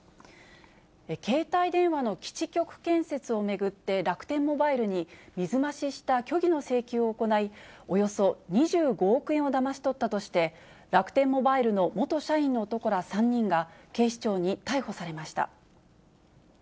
携帯電話の基地局建設を巡って、楽天モバイルに水増しした虚偽の請求を行い、およそ２５億円をだまし取ったとして、楽天モバイルの元社員の男ら３人が、警視庁に逮捕されました。